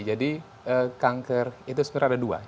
kanker itu sebenarnya ada dua